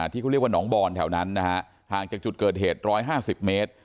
ที่เขาเรียกว่าหนองบอนแถวนั้นนะฮะห่างจากจุดเกิดเหตุ๑๕๐เมตร